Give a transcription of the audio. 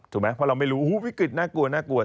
ถูกมั้ยเพราะเราไม่รู้วิกฤตน่ากลัว